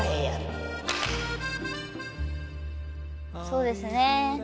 そうですね。